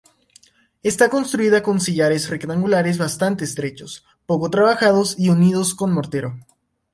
Está construida con sillares rectangulares bastante estrechos, poco trabajados y unidos con mortero.